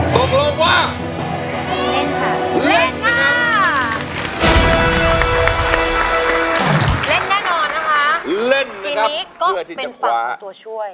ทีนี้ก็เป็นฝั่งตัวช่วย